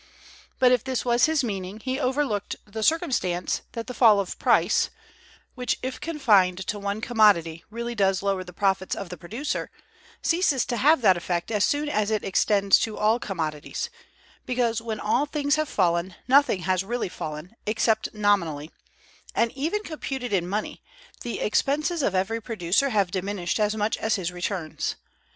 But, if this was his meaning, he overlooked the circumstance that the fall of price, which, if confined to one commodity, really does lower the profits of the producer, ceases to have that effect as soon as it extends to all commodities; because, when all things have fallen, nothing has really fallen, except nominally; and, even computed in money, the expenses of every producer have diminished as much as his returns.